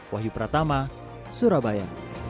wahyu pratama surabaya